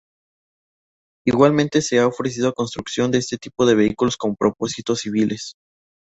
Igualmente se ha ofrecido la construcción de este tipo de vehículos con propósitos civiles.